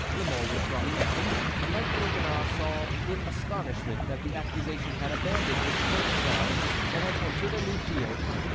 La Mole was brought down, and like Coconnas saw with astonishment that the accusation had abandoned its first ground and had entered a new field.